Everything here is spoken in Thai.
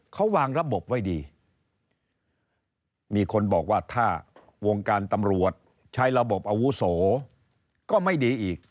เขาวางระบบไว้ดีมีคนบอกว่าถ้าวงการตำรวจใช้ระบบอาวุโสก็ไม่ดีอีก